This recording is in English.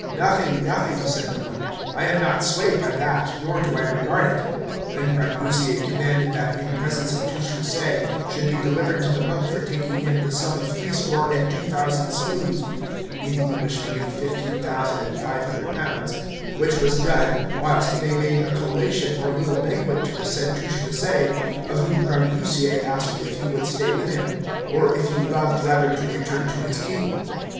Nothing, nothing, said the monk; I am not swayed by that, nor do I regard it. Then Grangousier commanded that, in presence of Touchfaucet, should be delivered to the monk for taking him the sum of three score and two thousand saluts (in English money, fifteen thousand and five hundred pounds), which was done, whilst they made a collation or little banquet to the said Touchfaucet, of whom Grangousier asked if he would stay with him, or if he loved rather to return to his king.